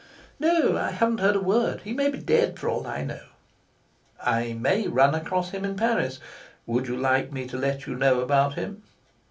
"No; I haven't heard a word. He may be dead for all I know." "I may run across him in Paris. Would you like me to let you know about him?"